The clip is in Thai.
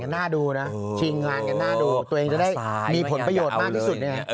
น่าดูนะชิงงานกันหน้าดูตัวเองจะได้มีผลประโยชน์มากที่สุด